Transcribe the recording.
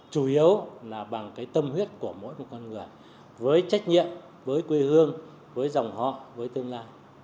chủ yếu là bằng cái tâm huyết của mỗi một con người với trách nhiệm với quê hương với dòng họ với tương lai